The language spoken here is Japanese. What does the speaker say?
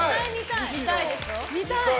見たい！